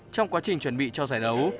trong quá trình chuẩn bị cho giải đấu